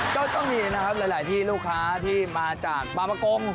ก็ต้องมีนะครับหลายที่ลูกค้าที่มาจากบางประกง